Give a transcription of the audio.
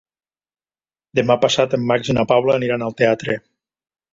Demà passat en Max i na Paula aniran al teatre.